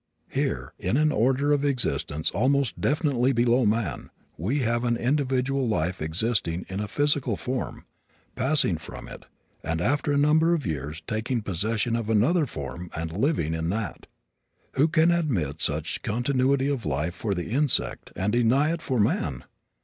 Here, in an order of existence almost infinitely below man, we have an individual life existing in a physical form, passing from it and, after a number of years, taking possession of another form and living in that. Who can admit such continuity of life for the insect and deny it for man?